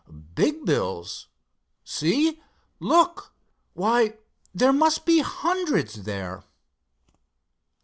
"Big bills! See, look! Why, there must be hundreds there!"